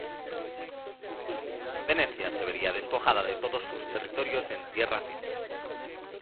Venecia se vería despojada de todos sus territorios en tierra firme.